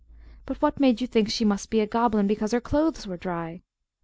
"But what made you think she must be a goblin because her clothes were dry?"